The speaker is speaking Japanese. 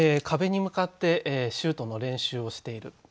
壁に向かってシュートの練習をしている。